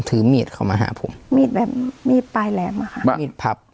ถือมีดเข้ามาหาผมมีดแบบมีดปลายแหลมอะค่ะมีดพับ